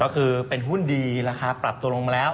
ก็คือเป็นหุ้นดีราคาปรับตัวลงมาแล้ว